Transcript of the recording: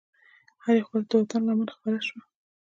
هرې خواته د وطن لمن خپره شوه.